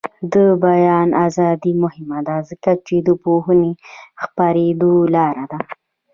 د بیان ازادي مهمه ده ځکه چې د پوهې خپریدو لاره ده.